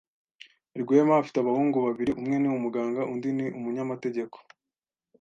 Rwema afite abahungu babiri. Umwe ni umuganga undi ni umunyamategeko.